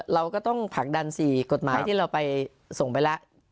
เราก็ต้องผลักดัน๔กฎหมายที่เราไปส่งไปแล้ว